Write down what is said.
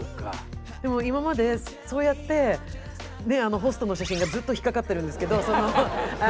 でも今までそうやってホストの写真がずっと引っかかってるんですけど。